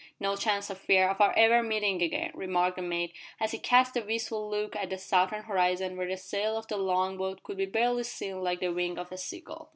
"No chance, I fear, of our ever meeting again," remarked the mate, as he cast a wistful look at the southern horizon where the sail of the long boat could be barely seen like the wing of a sea gull.